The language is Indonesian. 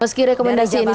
meski rekomendasi ini sempat